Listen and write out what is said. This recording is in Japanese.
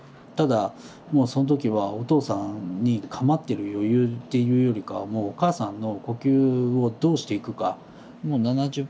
ただもうその時はお父さんに構ってる余裕っていうよりかはもうお母さんの呼吸をどうしていくか。